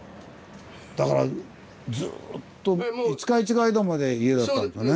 だからずっと五日市街道まで家だったんですよね。